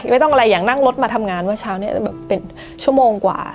ไม่ต้องอะไรอย่างนั่งรถมาทำงานเมื่อเช้านี้แบบเป็นชั่วโมงกว่า